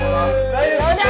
udah mau apa